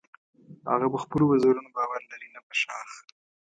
هغه په خپلو وزرونو باور لري نه په شاخ.